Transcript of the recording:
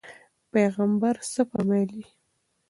پیغمبر څه فرمایلي؟